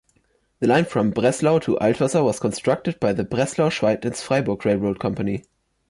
The line from Breslau to Altwasser was constructed by the Breslau-Schweidnitz-Freiburg Railroad Company.